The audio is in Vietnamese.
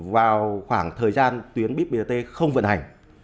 vào khoảng thời gian tuyến buýt brt không vận hành